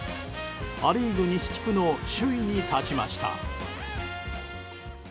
ア・リーグ西地区の首位に立ちました。